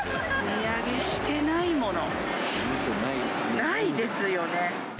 値上げしていないもの、ないですよね。